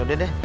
ya udah dah